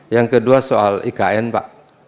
yang kedua soal ikn pak